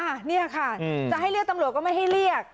อันนี้ค่ะจะให้เรียกตำรวจก็ไม่ให้เรียก